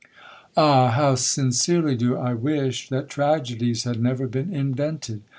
"Ah! how sincerely do I wish that tragedies had never been invented!